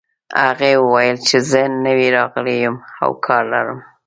هغې وویل چې زه نوی راغلې یم او کار لرم